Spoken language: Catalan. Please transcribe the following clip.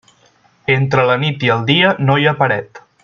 Entre la nit i el dia no hi ha paret.